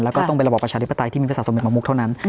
แล้วก็ต้องเป็นระบอบประชาธิปไตยที่มีภาษาสมเด็มมุกเท่านั้น